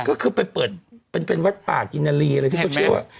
ก็คือไปเปิดเป็นวัดป่ากินนาลีอะไรที่เขาเชื่อว่า